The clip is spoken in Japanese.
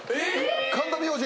神田明神。